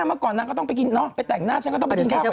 เมื่อก่อนนางก็ต้องไปกินเนาะไปแต่งหน้าฉันก็ต้องไปกินข้าว